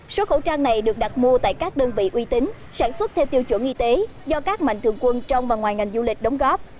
số khẩu trang này được đặt mua tại các đơn vị uy tín sản xuất theo tiêu chuẩn y tế do các mạnh thường quân trong và ngoài ngành du lịch đóng góp